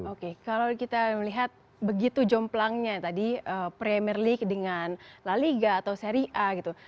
oke kalau kita melihat begitu jomplangnya tadi premier league dengan la liga atau seri a gitu